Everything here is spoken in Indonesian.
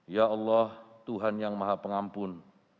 ya allah tuhan yang maha pengampun